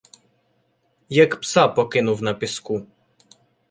Як пса покинув на піску.